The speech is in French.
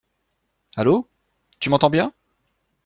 Allo? Tu m'entends bien ?